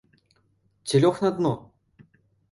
Ці лёг на дно?